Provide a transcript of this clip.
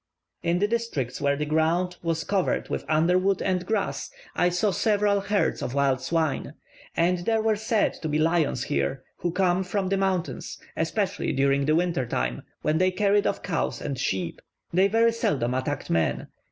In the districts where the ground was covered with underwood and grass, I saw several herds of wild swine; and there were said to be lions here, who come from the mountains, especially during the winter time, when they carried off cows and sheep: they very seldom attacked men.